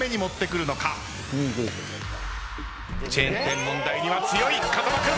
チェーン店問題には強い風間君。